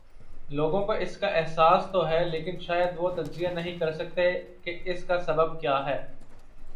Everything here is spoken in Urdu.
لوگوں کواس کا احساس تو ہے لیکن شاید وہ تجزیہ نہیں کر سکتے کہ اس کا سبب کیا ہے۔